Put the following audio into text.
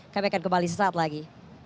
kami akan kembali sesaat lagi